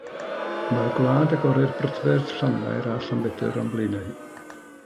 Y mae gwlad agored brydferth Llanfair a Llanbedr o'n blaenau.